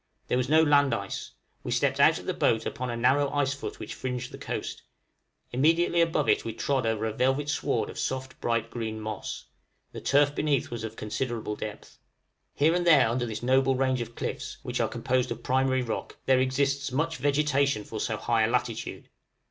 There was no land ice; we stepped out of the boat upon a narrow icefoot which fringed the coast; immediately above it we trod over a velvet sward of soft bright green moss; the turf beneath was of considerable depth. Here and there under this noble range of cliffs, which are composed of primary rock, there exists much vegetation for so high a latitude.